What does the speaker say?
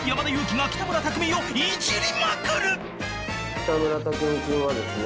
北村匠海君はですね。